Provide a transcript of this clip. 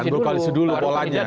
berkoalisi dulu polanya